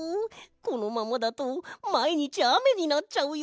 このままだとまいにちあめになっちゃうよ。